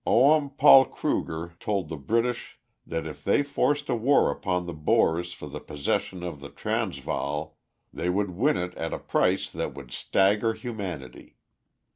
Oom Paul Kruger told the British that if they forced a war upon the Boers for the possession of the Transvaal, they would win it at a price that would "stagger humanity."